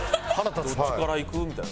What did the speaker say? どっちからいく？みたいな。